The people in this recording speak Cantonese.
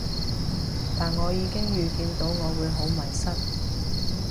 但我已經預見到我會好迷失